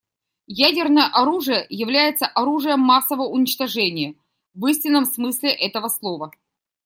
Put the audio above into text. Ядерное оружие является оружием массового уничтожения в истинном смысле этого слова.